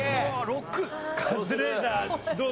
カズレーザーどう？